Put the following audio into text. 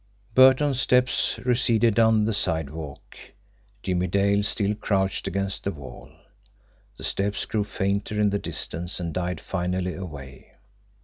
Burton's steps receded down the sidewalk. Jimmie Dale still crouched against the wall. The steps grew fainter in the distance and died finally away.